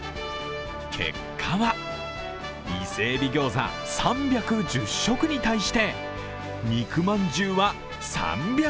結果は伊勢海老餃子３１０食に対して肉饅頭は３００食。